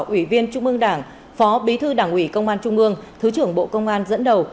ủy viên trung ương đảng phó bí thư đảng ủy công an trung ương thứ trưởng bộ công an dẫn đầu